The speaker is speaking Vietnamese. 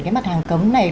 cái mặt hàng cấm này